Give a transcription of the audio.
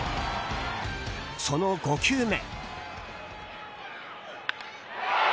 その５球目。